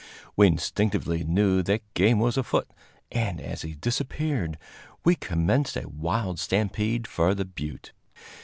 We instinctively knew that game was afoot, and, as he disappeared, we commenced a wild stampede for the butte.